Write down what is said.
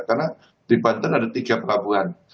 karena di banten ada tiga pelabuhan